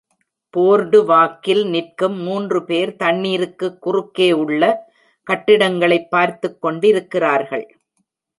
போர்டுவாக்கில் நிற்கும் மூன்று பேர் தண்ணீருக்கு குறுக்கே உள்ள கட்டிடங்களைப் பார்த்துக் கொண்டிருக்கிறார்கள்.